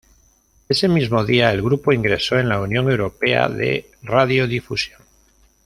Ese mismo día, el grupo ingresó en la Unión Europea de Radiodifusión.